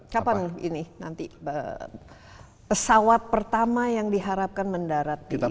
kapan ini nanti pesawat pertama yang diharapkan mendarat di sana